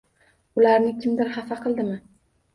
Ularni kimdir xafa qildimi